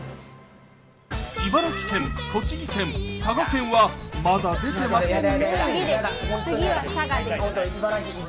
茨城県、栃木県、佐賀県はまだ出てませんね。